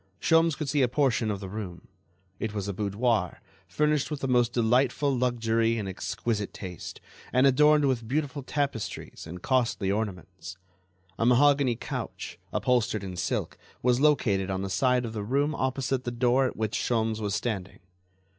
Sholmes could see a portion of the room; it was a boudoir, furnished with the most delightful luxury and exquisite taste, and adorned with beautiful tapestries and costly ornaments. A mahogany couch, upholstered in silk, was located on the side of the room opposite the door at which Sholmes was standing.